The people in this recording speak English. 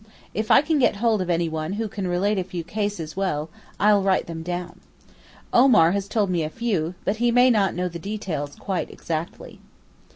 If I can get hold of anyone who can relate a few cases well, I'll write them down. Omar has told me a few, but he may not know the details quite exactly.